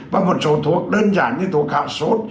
và một số thuốc đơn giản như thuốc hạo sốt